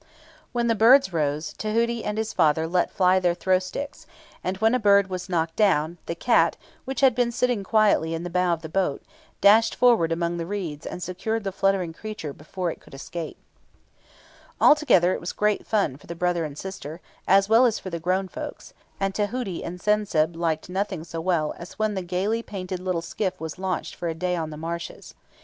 When the birds rose, Tahuti and his father let fly their throw sticks, and when a bird was knocked down, the cat, which had been sitting quietly in the bow of the boat, dashed forward among the reeds and secured the fluttering creature before it could escape. [Illustration: PLATE 8. "AND THE GOOSE STOOD UP AND CACKLED."] Altogether, it was great fun for the brother and sister, as well as for the grown folks, and Tahuti and Sen senb liked nothing so well as when the gaily painted little skiff was launched for a day on the marshes.